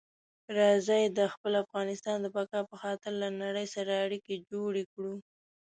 راځئ د خپل افغانستان د بقا په خاطر له نړۍ سره اړیکي جوړې کړو.